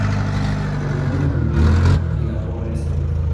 Murió en el olvido y la pobreza.